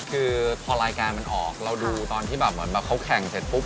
คือพอรายการมันออกเราดูตอนที่แบบเหมือนแบบเขาแข่งเสร็จปุ๊บ